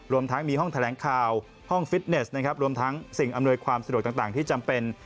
รวมทั้งมีห้องแถลงข่าวห้องฟิตเนสนะครับรวมทั้งสิ่งอำนวยความสะดวกต่างที่จำเป็น